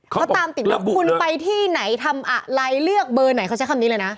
เขาตามติดว่าคุณไปที่ไหนทำอะไรเลือกเบอร์ไหนเขาใช้คำนี้เลยนะ